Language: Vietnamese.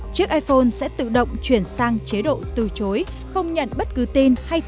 chiếc iphone sẽ tự động chuyển sang chế độ từ chối